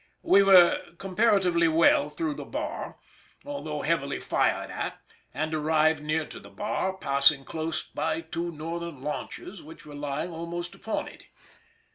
We were comparatively well through the fleet, although heavily fired at, and arrived near to the bar, passing close by two Northern launches which were lying almost upon it.